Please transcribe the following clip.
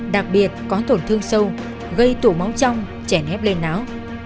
đặc biệt có tổn thương sâu gây tủ máu trong chẻ nếp lên não